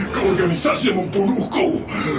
sampai sasih membunuh kau